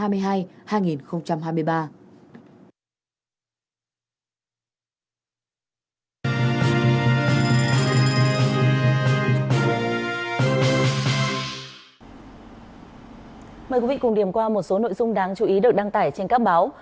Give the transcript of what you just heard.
mời quý vị cùng điểm qua một số nội dung đáng chú ý được đăng tải trên các báo